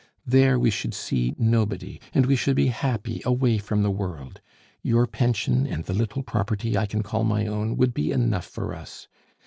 There we should see nobody, and we should be happy away from the world. Your pension and the little property I can call my own would be enough for us.